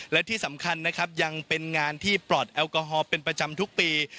และที่สำคัญนะครับยังเป็นงานที่ปลอดแอลกอฮอล์เป็นประจำทุกปี